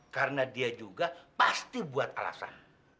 karena dia juga pasti buat alasan